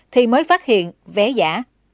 thì mới phát hiện vé giả